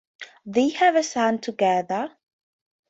They have a son together.